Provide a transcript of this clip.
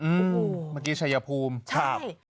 เมื่อกี้ชัยภูมิ